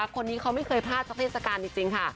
คนนี้เขาไม่เคยพลาดสักเทศกาลจริงค่ะ